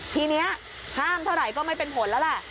ทีนี้ห้ามเท่าไหร่ก็ไม่เป็นผลแล้วแหละ